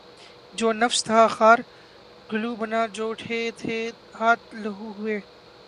جو نفس تھا خار گلو بنا جو اٹھے تھے ہاتھ لہو ہوئے